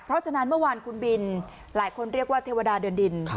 เพราะฉะนั้นเมื่อวานคุณบินหลายคนเรียกว่าเทวดาเดือนดิน